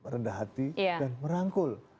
rendah hati dan merangkul